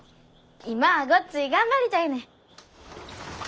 今はごっつい頑張りたいねん。